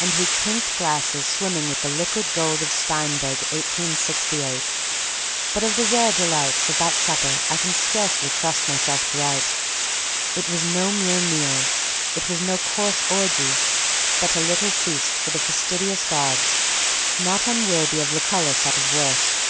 And we clinked glasses swimming with the liquid gold of Steinberg, 1868; but of the rare delights of that supper I can scarcely trust myself to write. It was no mere meal, it was no coarse orgy, but a little feast for the fastidious gods, not unworthy of Lucullus at his worst.